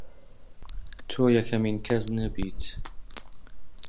تۆ یەکەمین کەس نەبیت